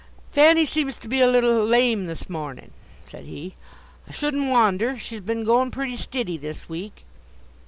'Fanny' seems to be a little lame, this mornin'," said he. "I shouldn't wonder. She's been goin' pretty stiddy this week."